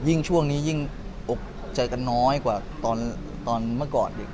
ช่วงนี้ยิ่งอกใจกันน้อยกว่าตอนเมื่อก่อนเด็ก